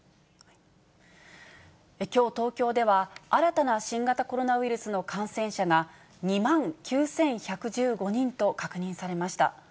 きょう、東京では、新たな新型コロナウイルスの感染者が２万９１１５人と確認されました。